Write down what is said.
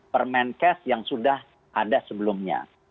permen kes yang sudah ada sebelumnya